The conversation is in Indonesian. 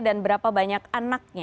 dan berapa banyak anaknya